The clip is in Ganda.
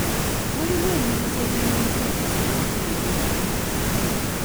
Waliwo emizizo eginyweza empisa n'enkola y'eddiini.